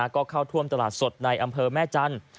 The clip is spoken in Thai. ก็เข้าท่วมตลาดสดในอำเภอแม่จันทร์